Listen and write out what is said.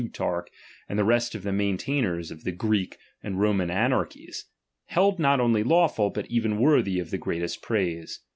tarch, and the rest of the maintainers of the Greek gpUiioii and Roman anarchies, held not only lawful, but even worthy of the greatest praise.